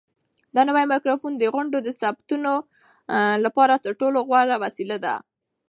دا نوی مایکروفون د غونډو د ثبتولو لپاره تر ټولو غوره وسیله ده.